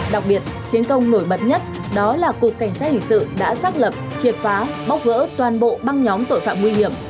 đặc biệt chiến công nổi bật nhất đó là cục cảnh sát hình sự đã xác lập triệt phá bóc gỡ toàn bộ băng nhóm tội phạm nguy hiểm